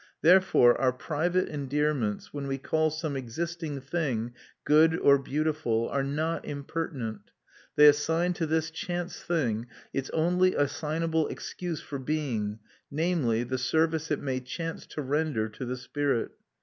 Therefore our private endearments, when we call some existing thing good or beautiful, are not impertinent; they assign to this chance thing its only assignable excuse for being, namely, the service it may chance to render to the spirit.